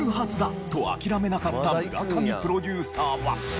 と諦めなかった村上プロデューサーは。